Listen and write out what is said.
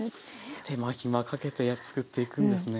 手間暇かけて作っていくんですね。